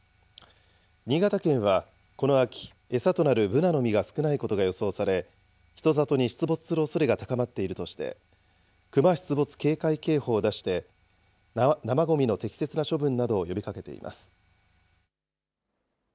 新潟県は、この秋、餌となるブナの実が少ないことなどが予想され、人里に出没するおそれが高まっているとして、クマ出没警戒警報を出して、生ごみの適切な処分などを呼びかけています。